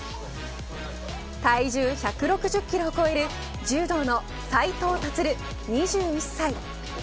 体重１６０キロを超える柔道の斉藤立、２１歳。